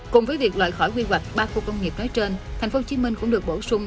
cùng với việc loại khỏi quy hoạch ba khu công nghiệp nói trên tp hcm cũng được bổ sung